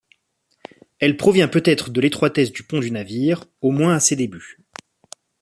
Elle provient peut-être de l'étroitesse du pont du navire, au moins à ses débuts.